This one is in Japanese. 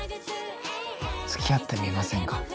つきあってみませんか？